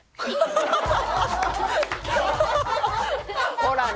ほらね。